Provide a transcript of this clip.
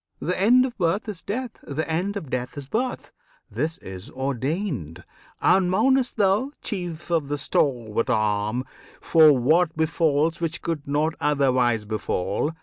The end of birth is death; the end of death Is birth: this is ordained! and mournest thou, Chief of the stalwart arm! for what befalls Which could not otherwise befall?